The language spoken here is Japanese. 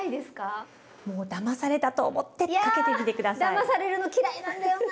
いやだまされるの嫌いなんだよな。